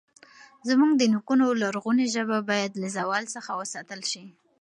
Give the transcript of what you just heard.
زموږ د نیکونو لرغونې ژبه باید له زوال څخه وساتل شي.